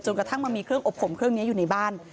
กระทั่งมันมีเครื่องอบผมเครื่องนี้อยู่ในบ้าน